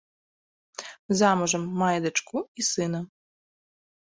Замужам, мае дачку і сына.